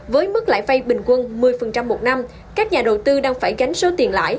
với mức lãi vay bình quân một mươi một năm các nhà đầu tư đang phải gánh số tiền lãi